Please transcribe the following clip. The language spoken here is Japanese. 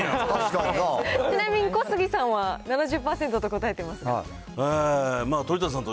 ちなみに小杉さんは、７０％と答えてますけど。